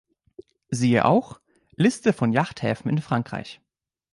Siehe auch: Liste von Yachthäfen in Frankreich